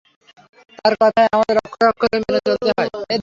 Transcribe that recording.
তার কথাই আমাদের অক্ষরে অক্ষরে মেনে চলতে হয়।